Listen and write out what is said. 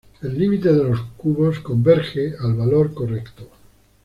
El límite de los cubos converge al valor correcto.